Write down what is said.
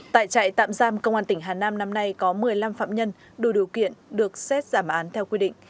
tại trại tạm giam công an tỉnh hà nam năm nay có một mươi năm phạm nhân đủ điều kiện được xét giảm án theo quy định